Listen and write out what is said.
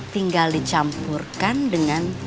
tinggal dicampurkan dengan